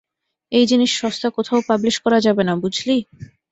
এই জিনিস সস্তা কোথাও পাবলিশ করা যাবে না, বুঝলি?